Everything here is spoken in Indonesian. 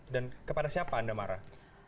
dan kepada siapa anda marah